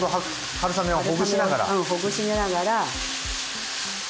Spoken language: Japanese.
春雨をうんほぐしながら。